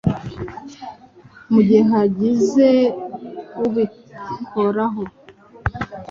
mu gihe hagize ubikoraho.